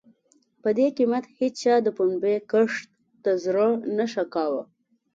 په دې قېمت هېچا د پنبې کښت ته زړه نه ښه کاوه.